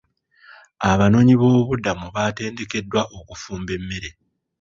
Abanooyiboobubuddamu baatendekeddwa okufumba emmere.